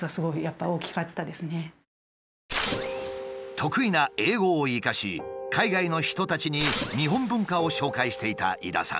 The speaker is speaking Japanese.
得意な英語を生かし海外の人たちに日本文化を紹介していた井田さん。